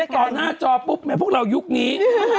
ต่อหน้าจอปุ๊บแม้พวกเรายุคนี้